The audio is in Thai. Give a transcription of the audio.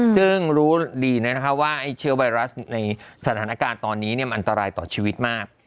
ซึ่งรู้ดีว่าไอ้เชื้อไวรัสในสถานการณ์ตอนนี้มันอันตรายต่อชีวิตมาก